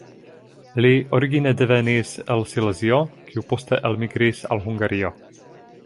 Li origine devenis el Silezio kiu poste elmigris al Hungario.